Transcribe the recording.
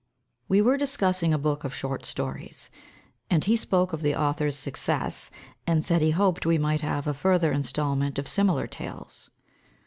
We were discussing a book of short stories, and he spoke of the author's success, and said he hoped we might have a further instalment of similar tales.